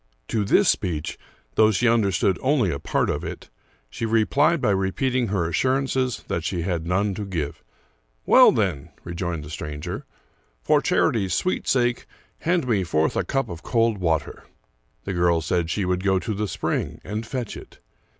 To this speech, though she understood only a part of it, she replied by repeating her assurances that 224 Charles Brockdcn Brozvn she had none to give. " Well, then," rejoined the stranger, " for charity's sweet sake, hand me forth a cup of cold water." The girl said she would go to the spring and fetch it.